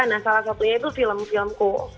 nah salah satunya itu film filmku